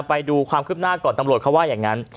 ไปดูความคืบหน้าก่อนตำรวจเขาว่าอย่างนั้น